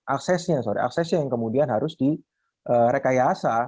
aksesnya sorry aksesnya yang kemudian harus direkayasa